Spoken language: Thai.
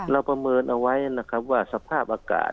เราประเมินเอาไว้ว่าสภาพอากาศ